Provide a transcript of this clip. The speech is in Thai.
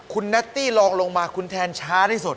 ขอให้ทั้ง๓ท่านโชคดี